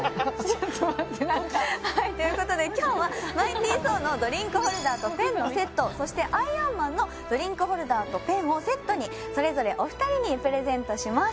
ちょっと待ってはいということで今日はマイティ・ソーのドリンクホルダーとペンのセットそしてアイアンマンのドリンクホルダーとペンをセットにそれぞれお二人にプレゼントします